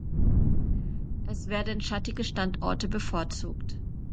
Es werden schattige Standorte bevorzugt.